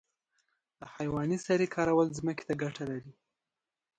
د حیواني سرې کارول ځمکې ته ګټه لري